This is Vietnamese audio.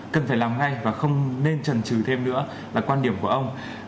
cần phải làm ngay và không nên trần trừ thêm nữa là quan điểm của ông